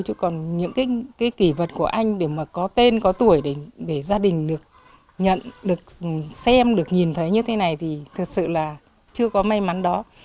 chứ còn những cái kỷ vật của anh để mà có tên có tuổi để gia đình được nhận được xem được nhìn thấy như thế này thì thật sự là chưa có may mắn đó